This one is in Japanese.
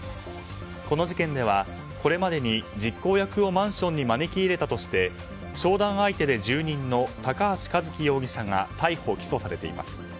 この事件ではこれまでに実行役をマンションに招き入れたとして商談相手で住人の高橋和輝容疑者が逮捕・起訴されています。